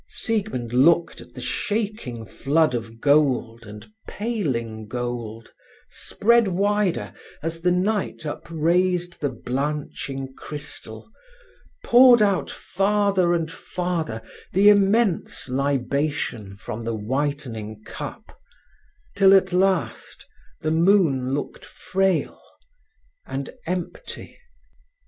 Siegmund looked at the shaking flood of gold and paling gold spread wider as the night upraised the blanching crystal, poured out farther and farther the immense libation from the whitening cup, till at last the moon looked frail and empty.